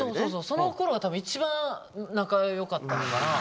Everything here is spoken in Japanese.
そのころは多分一番仲良かったのかな。